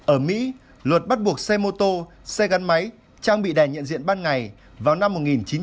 ở mỹ luật bắt buộc xe mô tô xe gắn máy trang bị đèn nhận diện ban ngày vào năm một nghìn chín trăm bảy mươi